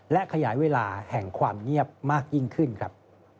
และขยายเวลาแห่งความเงียบมากยิ่งขึ้นครับ